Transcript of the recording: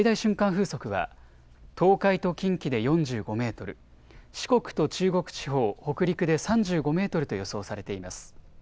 風速は東海と近畿で４５メートル、四国と中国地方、北陸で３５メートルと予想されています。